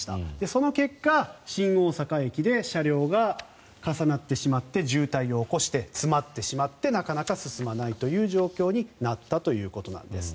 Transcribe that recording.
その結果、新大阪駅で車両が重なってしまって渋滞を起こして詰まってしまってなかなか進まないという状況になったということです。